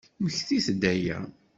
Mmektit-d aya!